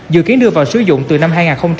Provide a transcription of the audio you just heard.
dự kiến đưa vào sử dụng từ năm hai nghìn hai mươi